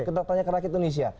kita tanya ke rakyat indonesia